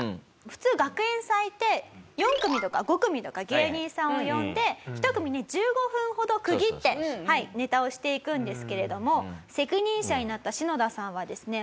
普通学園祭って４組とか５組とか芸人さんを呼んで１組に１５分ほど区切ってネタをしていくんですけれども責任者になったシノダさんはですね